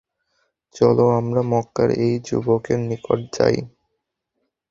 চল আমরা মক্কার এই যুবকের নিকট যাই।